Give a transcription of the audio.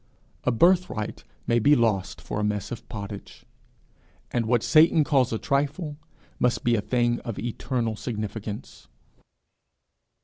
A birthright may be lost for a mess of pottage, and what Satan calls a trifle must be a thing of eternal significance.